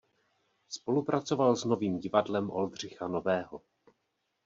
Spolupracoval s Novým divadlem Oldřicha Nového.